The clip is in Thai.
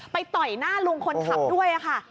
ต่อยหน้าลุงคนขับด้วยค่ะ